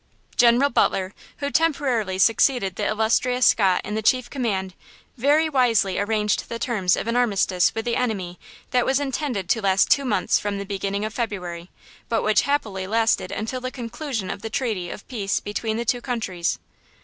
General Butler, who temporarily succeeded the illustrious Scott in the chief command, very wisely arranged the terms of an armistice with the enemy that was intended to last two months from the beginning of February, but which happily lasted until the conclusion of the treaty of peace between the two countries.